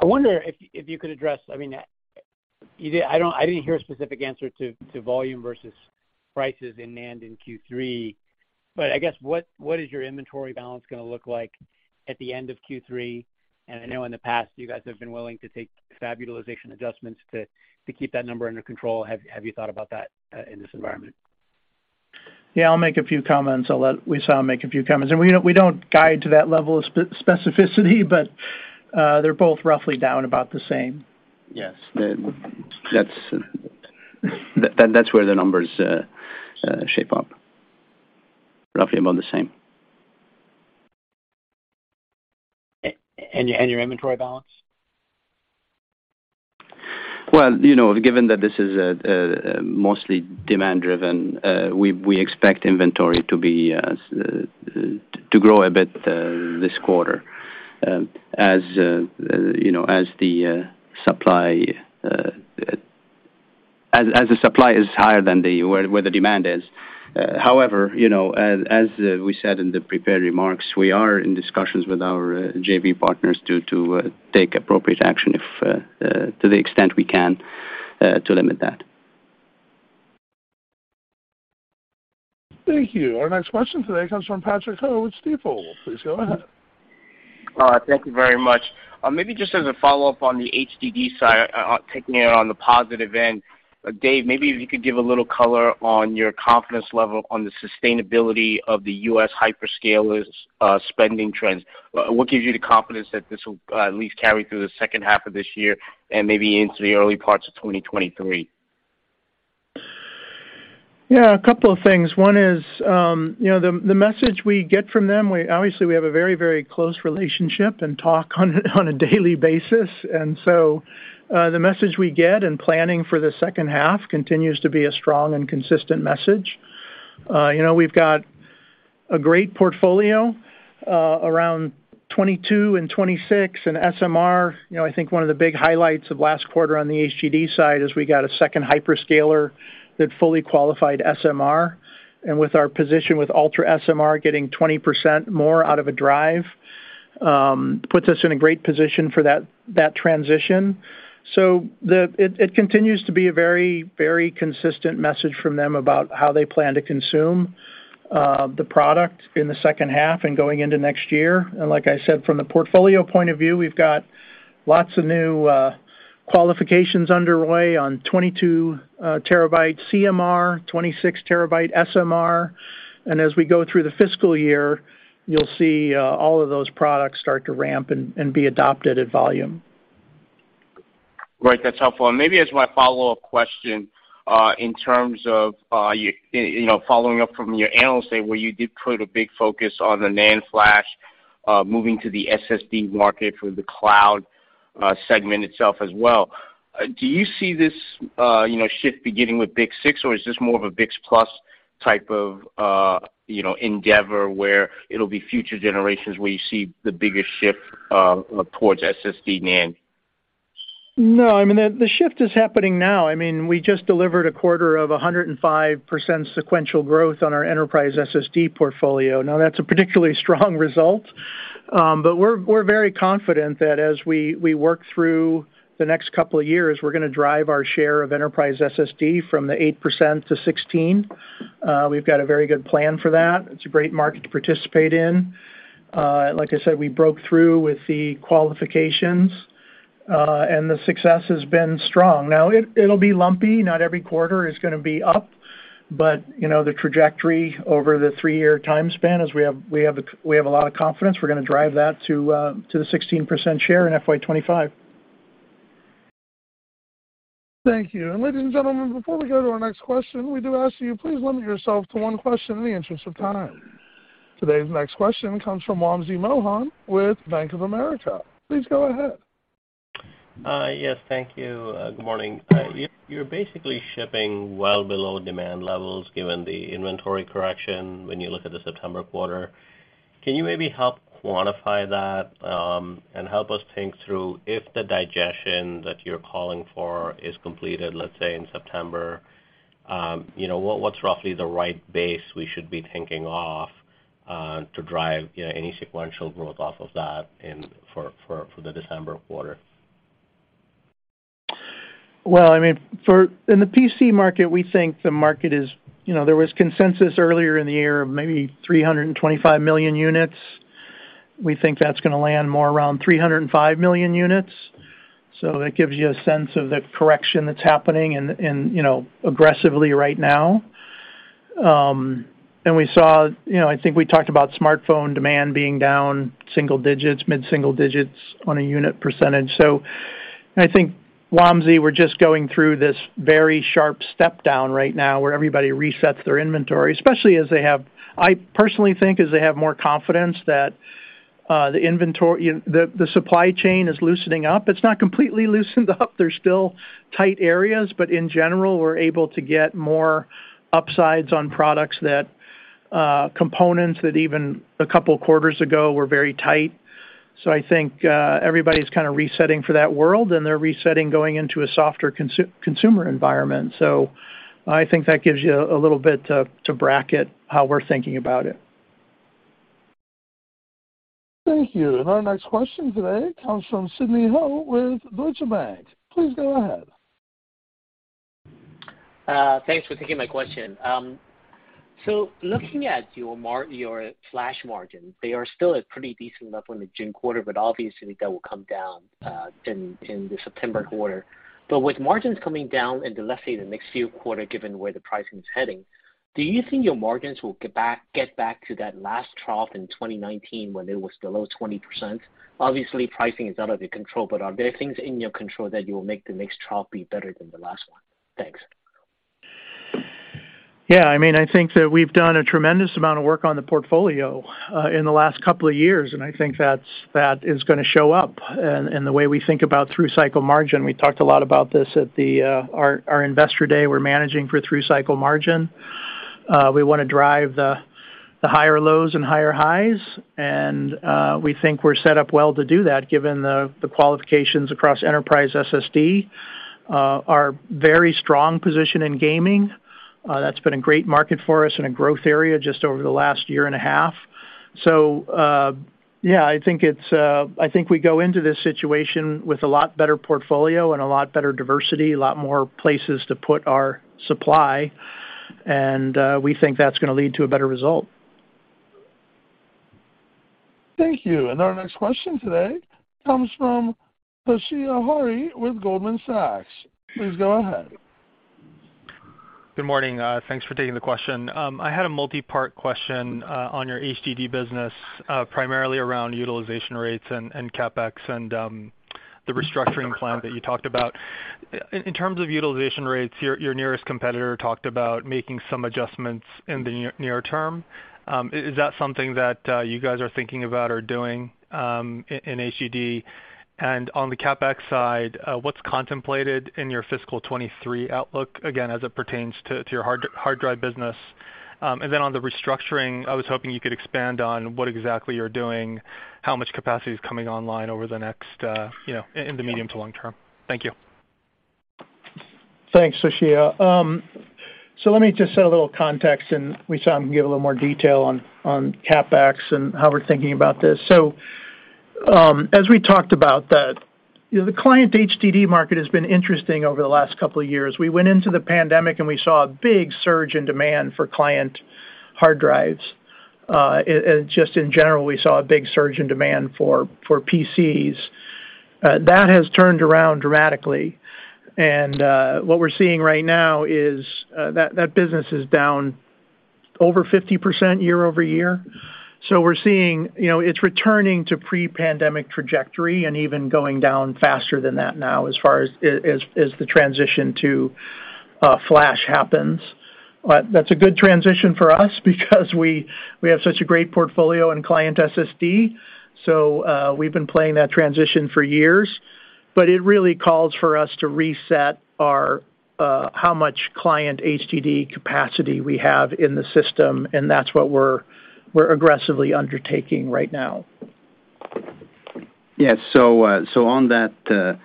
Speaker 7: wonder if you could address. I mean, I didn't hear a specific answer to volume versus prices in NAND in Q3. But I guess, what is your inventory balance going to look like at the end of Q3? And I know in the past, you guys have been willing to take fab utilization adjustments to keep that number under control. Have you thought about that in this environment?
Speaker 3: Yeah, I'll make a few comments. I'll let Wissam make a few comments. We don't guide to that level of specificity, but they're both roughly down about the same.
Speaker 4: Yes. That's where the numbers shape up. Roughly about the same.
Speaker 7: Your inventory balance?
Speaker 4: Well, you know, given that this is mostly demand-driven, we expect inventory to grow a bit this quarter. As you know, as the supply is higher than the demand. However, you know, as we said in the prepared remarks, we are in discussions with our JV partners to take appropriate action, to the extent we can, to limit that.
Speaker 1: Thank you. Our next question today comes from Patrick Ho with Stifel. Please go ahead.
Speaker 8: Thank you very much. Maybe just as a follow-up on the HDD side, taking it on the positive end. Dave, maybe if you could give a little color on your confidence level on the sustainability of the U.S. hyperscalers', spending trends. What gives you the confidence that this will at least carry through the H2 of this year and maybe into the early parts of 2023?
Speaker 3: Yeah. A couple of things. One is, you know, the message we get from them. Obviously, we have a very, very close relationship and talk on a daily basis. The message we get in planning for the H2 continues to be a strong and consistent message. You know, we've got a great portfolio around 2022 and 2026 in SMR. You know, I think one of the big highlights of last quarter on the HDD side is we got a second hyperscaler that fully qualified SMR. With our position with UltraSMR, getting 20% more out of a drive, puts us in a great position for that transition. It continues to be a very, very consistent message from them about how they plan to consume the product in the H2 and going into next year. Like I said, from the portfolio point of view, we've got lots of new qualifications underway on 22TB CMR, 26TB SMR. As we go through the fiscal year, you'll see all of those products start to ramp and be adopted at volume.
Speaker 8: Right. That's helpful. Maybe as my follow-up question, in terms of, you know, following up from your analyst day where you did put a big focus on the NAND Flash, moving to the SSD market for the cloud segment itself as well. Do you see this, you know, shift beginning with BiCS6, or is this more of a BiCS plus type of, you know, endeavor where it'll be future generations where you see the biggest shift, towards SSD NAND?
Speaker 3: No. I mean, the shift is happening now. I mean, we just delivered a quarter of 105% sequential growth on our enterprise SSD portfolio. Now, that's a particularly strong result. But we're very confident that as we work through the next couple of years, we're gonna drive our share of enterprise SSD from the 8%-16%. We've got a very good plan for that. It's a great market to participate in. Like I said, we broke through with the qualifications, and the success has been strong. Now, it'll be lumpy. Not every quarter is going to be up. You know, the trajectory over the three-year time span is we have a lot of confidence we're gonna drive that to the 16% share in FY 2025.
Speaker 1: Thank you. Ladies and gentlemen, before we go to our next question, we do ask you please limit yourself to one question in the interest of time. Today's next question comes from Wamsi Mohan with Bank of America. Please go ahead.
Speaker 9: Yes, thank you. Good morning. You're basically shipping well below demand levels given the inventory correction when you look at the September quarter. Can you maybe help quantify that, and help us think through if the digestion that you're calling for is completed, let's say in September, you know, what's roughly the right base we should be thinking of, to drive, you know, any sequential growth off of that for the December quarter?
Speaker 3: I mean, in the PC market, we think the market is. You know, there was consensus earlier in the year of maybe 325 million units. We think that's going to land more around 305 million units. That gives you a sense of the correction that's happening and, you know, aggressively right now. We saw. You know, I think we talked about smartphone demand being down single digits, mid-single digits on a unit percentage. I think, Wamsi, we're just going through this very sharp step down right now where everybody resets their inventory, especially as they have more confidence that the supply chain is loosening up. It's not completely loosened up. There is still tight areas, but in general, we're able to get more upsides on products that, components that even a couple quarters ago were very tight. I think everybody's kind of resetting for that world, and they're resetting going into a softer consumer environment. I think that gives you a little bit to bracket how we're thinking about it.
Speaker 1: Thank you. Our next question today comes from Sidney Ho with Deutsche Bank. Please go ahead.
Speaker 10: Thanks for taking my question. Looking at your Flash margin, they are still at pretty decent level in the June quarter, but obviously that will come down in the September quarter. With margins coming down in the, let's say, the next few quarters, given where the pricing is heading, do you think your margins will get back to that last trough in 2019 when it was below 20%? Obviously, pricing is out of your control, but are there things in your control that you will make the next trough be better than the last one? Thanks.
Speaker 3: Yeah, I mean, I think that we've done a tremendous amount of work on the portfolio in the last couple of years, and I think that is going to show up in the way we think about through-cycle margin. We talked a lot about this at our Investor Day. We're managing for through-cycle margin. We want to drive the higher lows and higher highs, and we think we're set up well to do that given the qualifications across enterprise SSD, our very strong position in gaming. That's been a great market for us and a growth area just over the last year and a half. Yeah, I think we go into this situation with a lot better portfolio and a lot better diversity, a lot more places to put our supply, and we think that's gonna lead to a better result.
Speaker 1: Thank you. Our next question today comes from Toshiya Hari with Goldman Sachs. Please go ahead.
Speaker 11: Good morning. Thanks for taking the question. I had a multipart question on your HDD business, primarily around utilization rates and CapEx and the restructuring plan that you talked about. In terms of utilization rates, your nearest competitor talked about making some adjustments in the near term. Is that something that you guys are thinking about or doing in HDD? On the CapEx side, what's contemplated in your fiscal 2023 outlook, again, as it pertains to your hard drive business? On the restructuring, I was hoping you could expand on what exactly you're doing, how much capacity is coming online over the next, you know, in the medium to long term. Thank you.
Speaker 3: Thanks, Toshiya. Let me just set a little context and, Wissam, give a little more detail on CapEx and how we're thinking about this. As we talked about that, you know, the client HDD market has been interesting over the last couple of years. We went into the pandemic, and we saw a big surge in demand for client hard drives. Just in general, we saw a big surge in demand for PCs. That has turned around dramatically. What we're seeing right now is that business is down over 50% year-over-year. You know, it's returning to pre-pandemic trajectory and even going down faster than that now as far as the transition to Flash happens. That's a good transition for us because we have such a great portfolio in client SSD. We've been playing that transition for years. It really calls for us to reset our how much client HDD capacity we have in the system, and that's what we're aggressively undertaking right now.
Speaker 4: Yes. On that,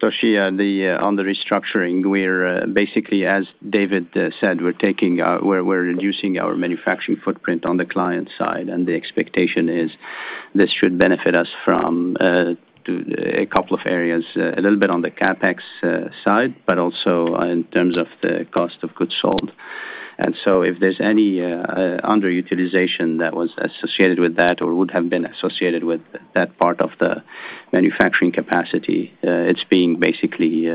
Speaker 4: Toshiya, on the restructuring, we're basically, as David said, we're reducing our manufacturing footprint on the client side, and the expectation is this should benefit us from a couple of areas, a little bit on the CapEx side, but also in terms of the cost of goods sold. If there's any underutilization that was associated with that or would have been associated with that part of the manufacturing capacity, it's being basically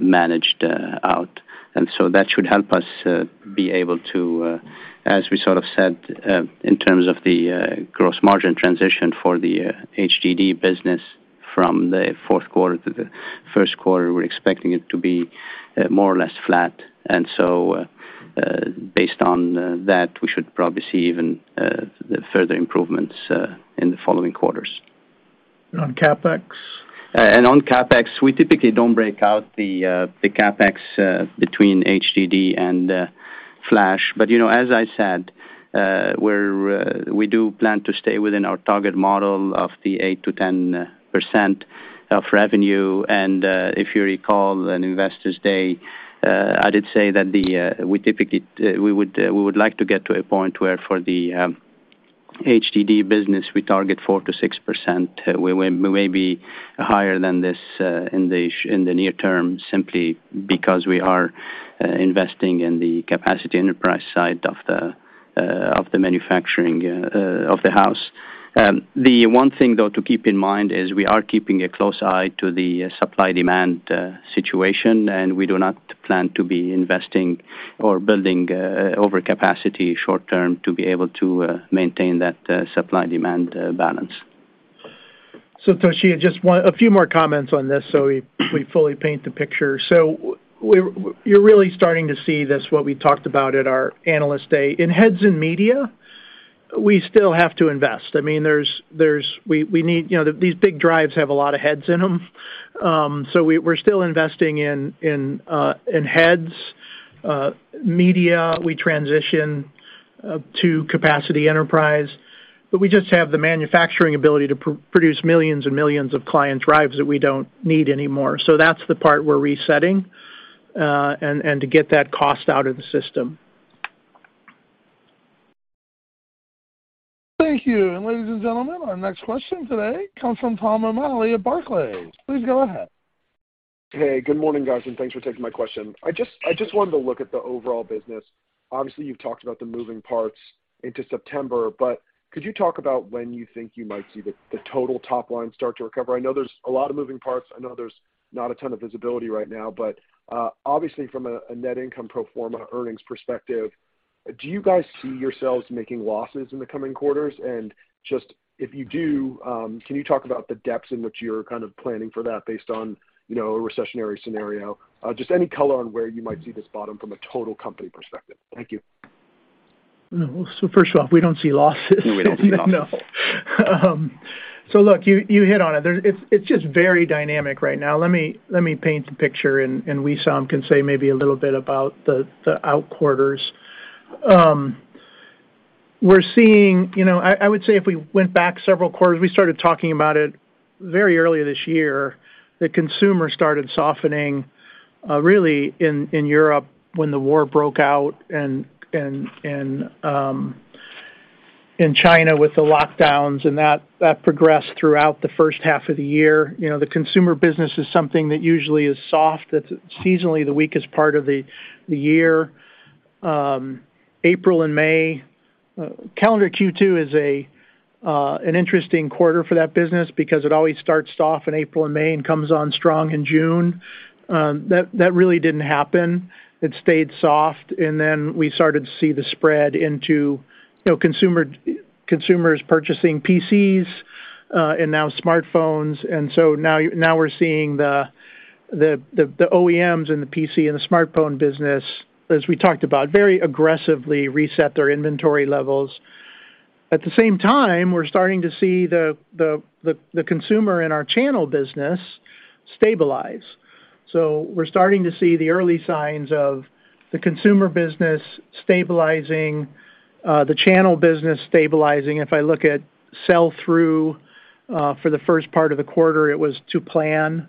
Speaker 4: managed out. That should help us be able to, as we sort of said, in terms of the gross margin transition for the HDD business from the Q4 to the Q1, we're expecting it to be more or less flat. Based on that, we should probably see even the further improvements in the following quarters.
Speaker 3: On CapEx?
Speaker 4: On CapEx, we typically don't break out the CapEx between HDD and Flash. You know, as I said, we do plan to stay within our target model of the 8%-10% of revenue. If you recall in Investors Day, I did say that we would like to get to a point where for the HDD business, we target 4%-6%. We may be higher than this in the near term, simply because we are investing in the capacity enterprise side of the manufacturing in-house. The one thing, though, to keep in mind is we are keeping a close eye to the supply-demand situation, and we do not plan to be investing or building over capacity short-term to be able to maintain that supply-demand balance.
Speaker 3: Toshiya, a few more comments on this, so we fully paint the picture. You're really starting to see this, what we talked about at our Analyst Day. In heads and media, we still have to invest. I mean, there's. We need, you know, these big drives have a lot of heads in them. We're still investing in heads. Media, we transition to capacity enterprise, but we just have the manufacturing ability to produce millions and millions of clients drives that we don't need anymore. That's the part we're resetting, and to get that cost out of the system.
Speaker 1: Thank you. Ladies and gentlemen, our next question today comes from Thomas O'Malley at Barclays. Please go ahead.
Speaker 12: Hey, good morning, guys, and thanks for taking my question. I just wanted to look at the overall business. Obviously, you've talked about the moving parts into September, but could you talk about when you think you might see the total top line start to recover? I know there's a lot of moving parts. I know there's not a ton of visibility right now. Obviously from a net income pro forma earnings perspective, do you guys see yourselves making losses in the coming quarters? Just, if you do, can you talk about the depths in which you are kind of planning for that based on, you know, a recessionary scenario? Just any color on where you might see this bottom from a total company perspective. Thank you.
Speaker 3: First of all, we don't see losses.
Speaker 4: We don't see losses.
Speaker 3: No. Look, you hit on it. It's just very dynamic right now. Let me paint the picture and Wissam can say maybe a little bit about the outlook. We're seeing. You know, I would say if we went back several quarters, we started talking about it very early this year, the consumer started softening, really in Europe when the war broke out and in China with the lockdowns, and that progressed throughout the H1 of the year. You know, the consumer business is something that usually is soft. That's seasonally the weakest part of the year. April and May. Calendar Q2 is an interesting quarter for that business because it always starts off in April and May and comes on strong in June. That really didn't happen. It stayed soft, and then we started to see the spread into, you know, consumers purchasing PCs and now smartphones. Now we're seeing the OEMs in the PC and the smartphone business, as we talked about, very aggressively reset their inventory levels. At the same time, we're starting to see the consumer in our channel business stabilize. We're starting to see the early signs of the consumer business stabilizing, the channel business stabilizing. If I look at sell-through for the first part of the quarter, it was to plan.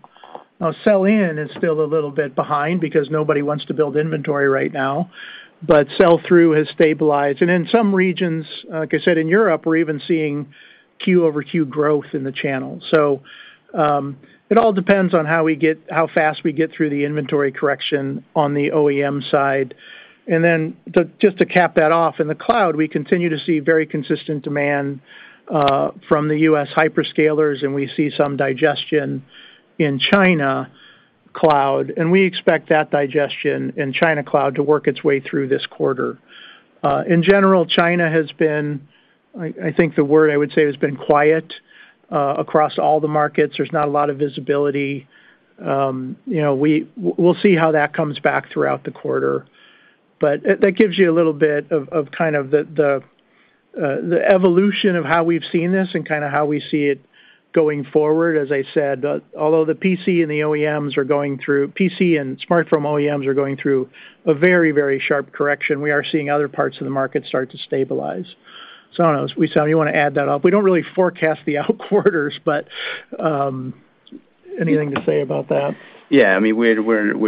Speaker 3: Now, sell-in is still a little bit behind because nobody wants to build inventory right now, but sell-through has stabilized. In some regions, like I said, in Europe, we're even seeing Q-over-Q growth in the channel. It all depends on how fast we get through the inventory correction on the OEM side. Just to cap that off, in the cloud, we continue to see very consistent demand from the U.S. hyperscalers, and we see some digestion in China cloud, and we expect that digestion in China cloud to work its way through this quarter. In general, China has been, I think the word I would say has been quiet, across all the markets. There's not a lot of visibility. You know, we'll see how that comes back throughout the quarter. That gives you a little bit of kind of the evolution of how we've seen this and kinda how we see it going forward. As I said, although the PC and smartphone OEMs are going through a very, very sharp correction, we are seeing other parts of the market start to stabilize. I don't know. Wissam, you want to add to that? We don't really forecast the outer quarters, but anything to say about that?
Speaker 4: Yeah. I mean, we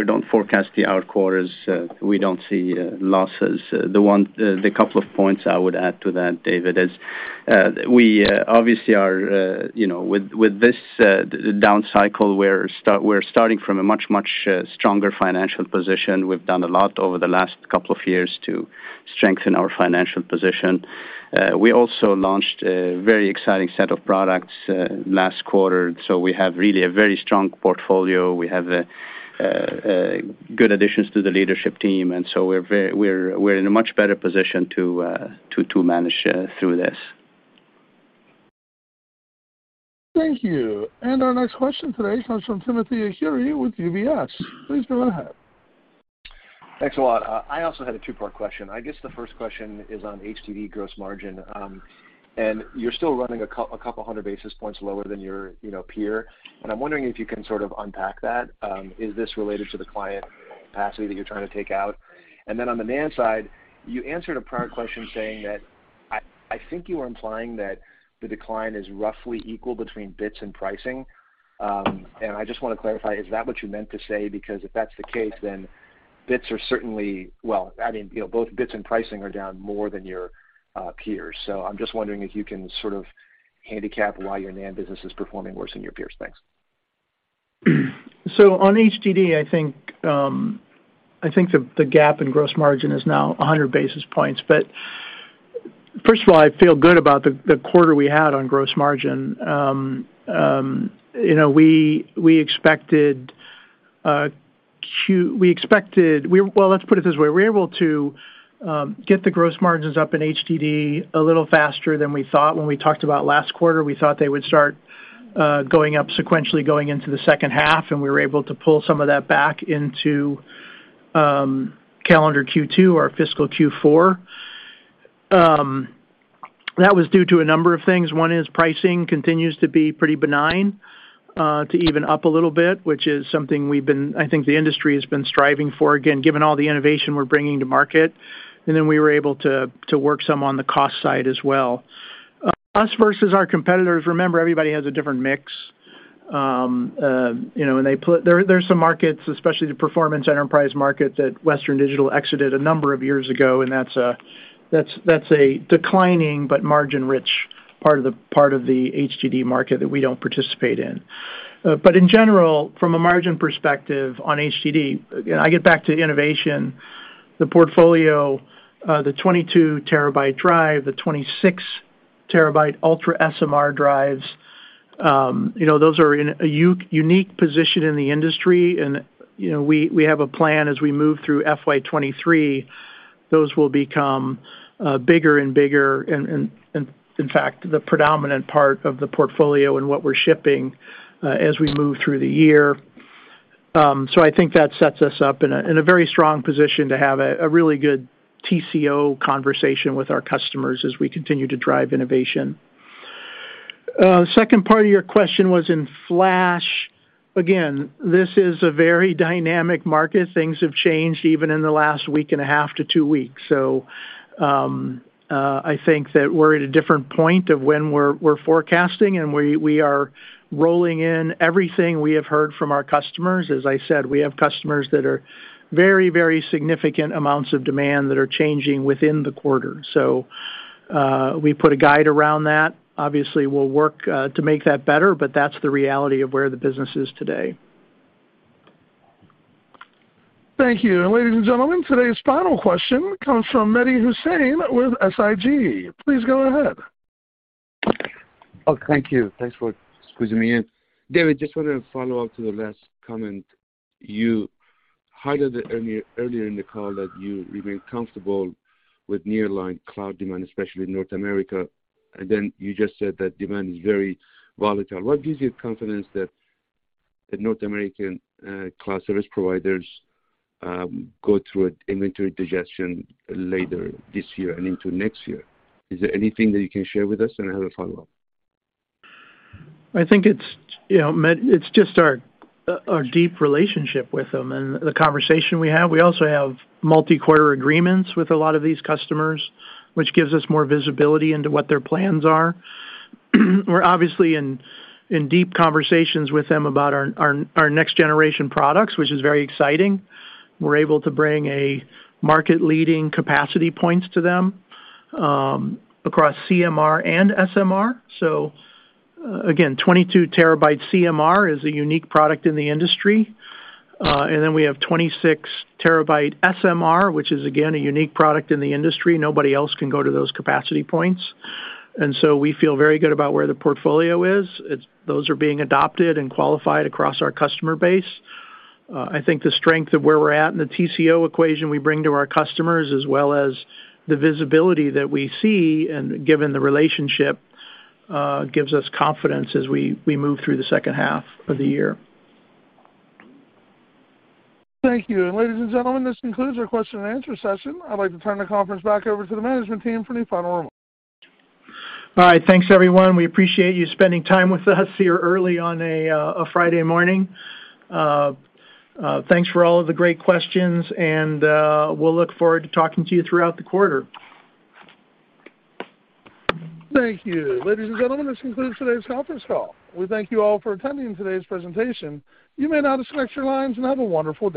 Speaker 4: don't forecast the outer quarters. We don't see losses. The couple of points I would add to that, David, is. We obviously are, you know, with this down cycle, we're starting from a much stronger financial position. We've done a lot over the last couple of years to strengthen our financial position. We also launched a very exciting set of products last quarter, so we have really a very strong portfolio. We have good additions to the leadership team, and so we're in a much better position to manage through this.
Speaker 1: Thank you. Our next question today comes from Timothy Arcuri with UBS. Please go ahead.
Speaker 13: Thanks a lot. I also had a two-part question. I guess the first question is on HDD gross margin. You're still running a couple hundred basis points lower than your, you know, peer, and I'm wondering if you can sort of unpack that. Is this related to the cloud capacity that you're trying to take out? Then on the NAND side, you answered a prior question saying that I think you were implying that the decline is roughly equal between bits and pricing. I just want to clarify, is that what you meant to say? Because if that's the case, then bits are certainly. Well, I mean, you know, both bits and pricing are down more than your peers. I'm just wondering if you can sort of handicap why your NAND business is performing worse than your peers. Thanks.
Speaker 3: On HDD, I think the gap in gross margin is now 100 basis points. First of all, I feel good about the quarter we had on gross margin. You know, we expected. Well, let's put it this way. We were able to get the gross margins up in HDD a little faster than we thought. When we talked about last quarter, we thought they would start going up sequentially going into the H2, and we were able to pull some of that back into calendar Q2 or fiscal Q4. That was due to a number of things. One is pricing continues to be pretty benign, to even up a little bit, which is something we've been, I think the industry has been striving for, again, given all the innovation we're bringing to market, and then we were able to work some on the cost side as well. Us versus our competitors, remember, everybody has a different mix. You know, there are some markets, especially the performance enterprise market that Western Digital exited a number of years ago, and that's a declining but margin-rich part of the HDD market that we don't participate in. In general, from a margin perspective on HDD, you know, I get back to innovation, the portfolio, the 22TB drive, the 26TB UltraSMR drives, you know, those are in a unique position in the industry and, you know, we have a plan as we move through FY 2023, those will become bigger and bigger and, in fact, the predominant part of the portfolio and what we're shipping as we move through the year. So, I think that sets us up in a very strong position to have a really good TCO conversation with our customers as we continue to drive innovation. Second part of your question was in Flash. Again, this is a very dynamic market. Things have changed even in the last week and a half to two weeks. I think that we're at a different point of when we're forecasting, and we are rolling in everything we have heard from our customers. As I said, we have customers that are very, very significant amounts of demand that are changing within the quarter. We put a guide around that. Obviously, we'll work to make that better, but that's the reality of where the business is today.
Speaker 1: Thank you. Ladies and gentlemen, today's final question comes from Mehdi Hosseini with SIG. Please go ahead.
Speaker 14: Oh, thank you. Thanks for squeezing me in. David, just wanted to follow up to the last comment. You highlighted earlier in the call that you remain comfortable with nearline cloud demand, especially in North America, and then you just said that demand is very volatile. What gives you confidence that the North American cloud service providers go through inventory digestion later this year and into next year? Is there anything that you can share with us, and I have a follow-up?
Speaker 3: I think it's, you know, Mehdi, it's just our deep relationship with them and the conversation we have. We also have multi-quarter agreements with a lot of these customers, which gives us more visibility into what their plans are. We're obviously in deep conversations with them about our next-generation products, which is very exciting. We're able to bring a market-leading capacity point to them across CMR and SMR. Again, 22TB CMR is a unique product in the industry. Then we have 26TB SMR, which is again a unique product in the industry. Nobody else can go to those capacity points. We feel very good about where the portfolio is. It's. Those are being adopted and qualified across our customer base. I think the strength of where we're at and the TCO equation, we bring to our customers as well as the visibility that we see and given the relationship, gives us confidence as we move through the H2 of the year.
Speaker 1: Thank you. Ladies and gentlemen, this concludes our question and answer session. I'd like to turn the conference back over to the management team for any final remarks.
Speaker 3: All right. Thanks, everyone. We appreciate you spending time with us here early on a Friday morning. Thanks for all of the great questions, and we'll look forward to talking to you throughout the quarter.
Speaker 1: Thank you. Ladies and gentlemen, this concludes today's conference call. We thank you all for attending today's presentation. You may now disconnect your lines and have a wonderful day.